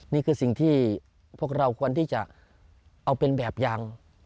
นี่คือสิ่งที่พวกเราควรที่จะเอาเป็นแบบอย่าง